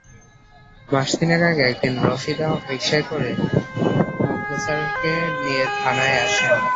মাস তিনেক আগে একদিন রশিদা রিকশায় করে মোখলেছারকে নিয়ে থানায় আসেন।